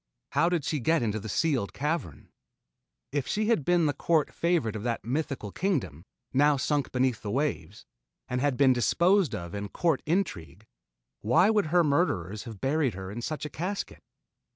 How did she get into the sealed cavern? If she had been the court favorite of that mythical kingdom, now sunk beneath the waves, and had been disposed of in court intrigue, why would her murderers have buried her in such a casket?